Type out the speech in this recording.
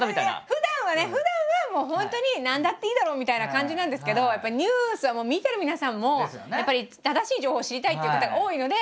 ふだんはねふだんはもう本当に何だっていいだろうみたいな感じなんですけどニュースはもう見てる皆さんもやっぱり正しい情報を知りたいっていう方が多いので。